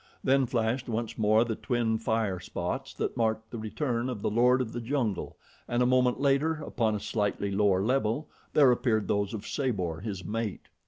Then flashed once more the twin fire spots that marked the return of the lord of the jungle and a moment later, upon a slightly lower level, there appeared those of Sabor, his mate.